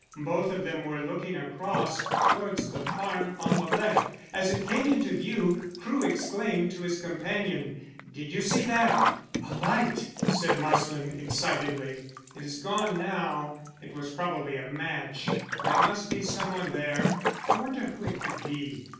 Both of them were looking across towards the farm on the left. As it came into view Crewe exclaimed to his companion: "Did you see that?" "A light!" said Marsland excitedly. "It is gone now; it was probably a match. There must be some one there. I wonder who it could be?"